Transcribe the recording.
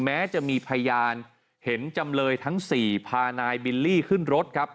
แม้จะมีพยานเห็นจำเลยทั้ง๔พานายบิลลี่ขึ้นรถครับ